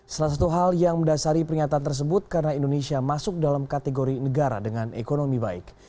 salah satu hal yang mendasari pernyataan tersebut karena indonesia masuk dalam kategori negara dengan ekonomi baik